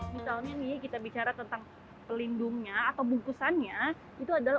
misalnya nih kita bicara tentang pelindungnya atau bungkusannya